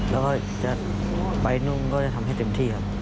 แล้วก็จะไปนุ่มก็จะทำให้เต็มที่ครับ